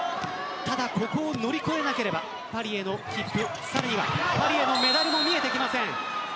ただ、ここを乗り越えなければパリへの切符さらにはパリへのメダルも見えてきません。